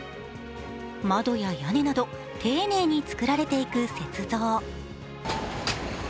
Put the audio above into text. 窓や屋根など丁寧に作られていく雪像。